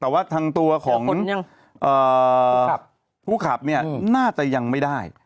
แต่ว่าทางตัวของผู้ขับเนี่ยน่าจะยังไม่ได้